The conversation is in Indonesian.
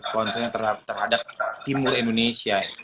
konsepnya terhadap timur indonesia